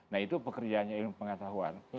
nah itu pekerjaannya ilmu pengetahuan